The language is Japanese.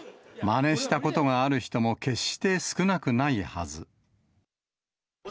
まねしたことがある人も決して少なくないはず。